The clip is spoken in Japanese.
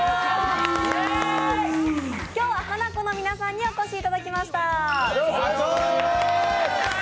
今日はハナコの皆さんにお越しいただきました。